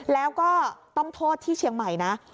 แล้วก็ต้องโทษที่เชียงใหม่นะ